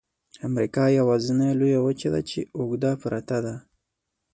امریکا یوازني لویه وچه ده چې اوږده پرته ده.